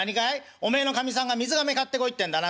おめえのかみさんが水がめ買ってこいってんだな。